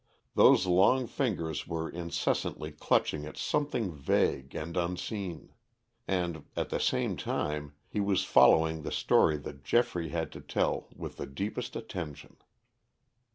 Those long fingers were incessantly clutching at something vague and unseen. And, at the same time, he was following the story that Geoffrey had to tell with the deepest attention.